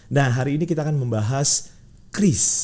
nah hari ini kita akan membahas kris